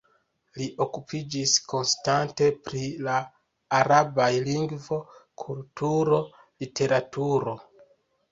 Li okupiĝis konstante pri la arabaj lingvo, kulturo, literaturo.